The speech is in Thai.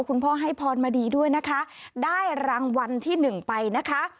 คุณพ่อให้พรมาดีด้วยนะคะได้รางวัลที่หนึ่งไปนะคะ